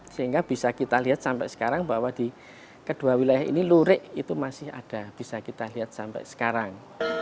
sehingga bisa kita lihat sampai sekarang bahwa di kedua wilayah ini lurik itu masih ada bisa kita lihat sampai sekarang